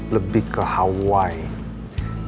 lebih ke hawaii